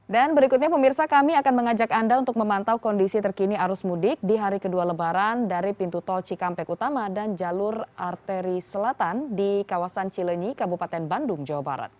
dan berikutnya pemirsa kami akan mengajak anda untuk memantau kondisi terkini arus mudik di hari kedua lebaran dari pintu tol cikampek utama dan jalur arteri selatan di kawasan cileni kabupaten bandung jawa barat